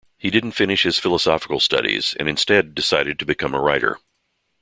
He didn't finish his philosophical studies and instead decided to become a writer.